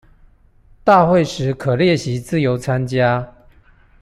大會時可列席自由參加